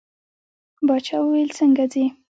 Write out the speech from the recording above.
باچا وویل څنګه ځې.